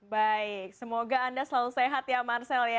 baik semoga anda selalu sehat ya marcel ya